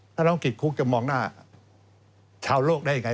ถ้าน้องติดคุกจะมองหน้าชาวโลกได้ยังไง